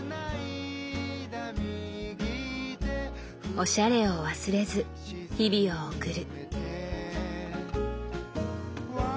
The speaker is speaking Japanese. おしゃれを忘れず日々を送る。